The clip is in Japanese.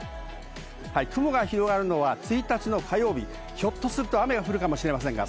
雲が広がるのは１日の火曜日、雨が降るかもしれませんが、